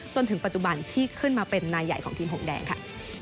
จนถึงปัจจุบันที่ขึ้นมาเป็นนายใหญ่ของทีมหกแดงค่ะ